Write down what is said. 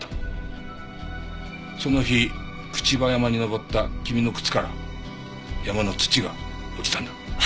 その日朽葉山に登った君の靴から山の土が落ちたんだ。